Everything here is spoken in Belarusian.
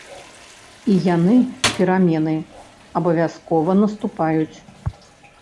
І яны, перамены, абавязкова наступаюць.